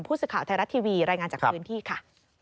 ผู้สื่อข่าวไทยรัฐทีวีรายงานจากพื้นที่ค่ะ